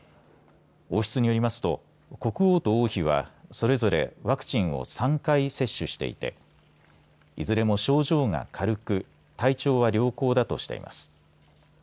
王室によりますと国王と王妃はそれぞれワクチンを３回接種していていずれも症状が軽く体調は良好だとしています。